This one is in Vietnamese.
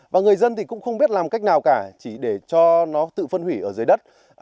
và người dân thì cũng không biết làm cách nào cả chỉ để cho nó tự phân hủy ở dưới đất